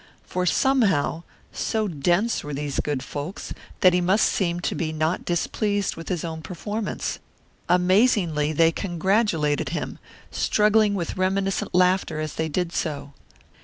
For somehow, so dense were these good folks, that he must seem to be not displeased with his own performance. Amazingly they congratulated him, struggling with reminiscent laughter as they did so.